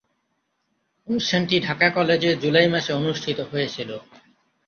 অনুষ্ঠানটি ঢাকা কলেজে জুলাই মাসে অনুষ্ঠিত হয়েছিলো।